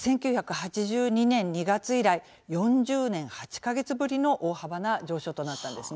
１９８２年２月以来４０年８か月ぶりの大幅な上昇となったんです。